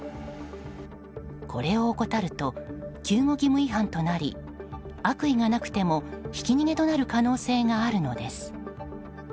これを怠ると救護義務違反となり悪意がなくても、ひき逃げとなる可能性があるのです。